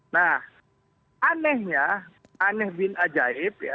nah anehnya aneh bin ajaib ya